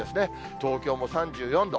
東京も３４度。